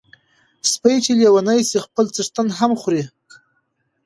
سپي چی لیوني سی خپل څښتن هم خوري .